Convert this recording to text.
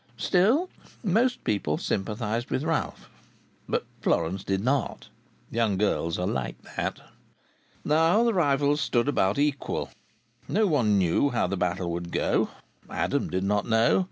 Still, most people sympathized with Ralph. But Florence did not. Young girls are like that. Now the rivals stood about equal. No one knew how the battle would go. Adam did not know.